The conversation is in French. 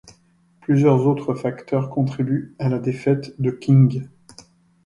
Plusieurs autres facteurs contribuent à la défaite de King.